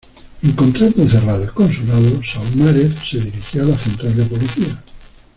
Encontrando cerrado el consulado, Saumarez se dirigió a la central de policía.